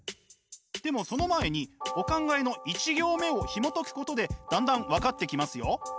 でもその前にお考えの１行目をひもとくことでだんだん分かってきますよ。